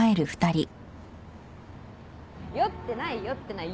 酔ってない酔ってない。